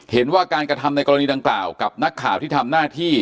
เห็นว่าการกระทำในกรณีดังกล่าวกับนักข่าวที่ทำหน้าที่